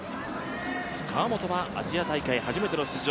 川本はアジア大会初めての出場。